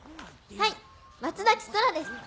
はい松崎空です。